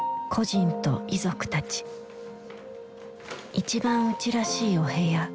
一番うちらしいお部屋。